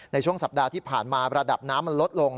ในช่วงสัปดาห์ที่ผ่านมาระดับน้ำมันลดลง